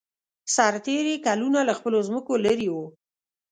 سرتېري کلونه له خپلو ځمکو لېرې وو.